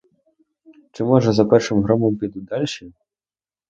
Чи, може, за першим громом підуть дальші?